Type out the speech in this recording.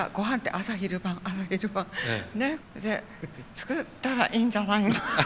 作ったらいいんじゃないの。